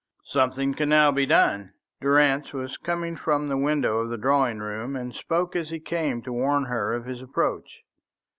"Something can now be done." Durrance was coming from the window of the drawing room, and spoke as he came, to warn her of his approach.